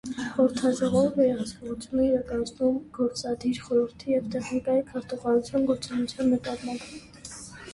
Խորհրդաժողովը վերահսկողություն է իրականացնում գործադիր խորհրդի և տեխնիկական քարտուղարության գործունեության նկատմամբ։